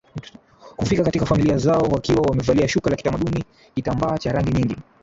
Hufika katika familia zao wakiwa wamevalia shuka la kitamaduni kitambaa cha rangi nyingi